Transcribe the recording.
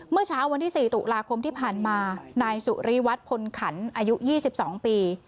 เมื่อเช้าวันที่๔ตุลาคมที่ผ่านมานายสุริวัตรพลขันอายุ๒๒ปี